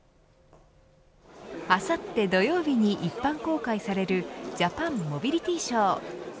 あさって土曜日に一般公開されるジャパンモビリティショー。